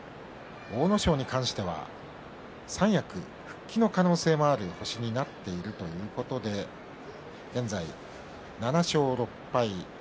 阿武咲に関しては三役復帰の可能性がある星になっているということで現在７勝６敗。